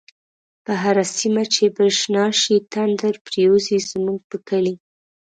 په هره سیمه چی برشنا شی، تندر پریوزی زمونږ په کلی